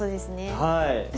はい。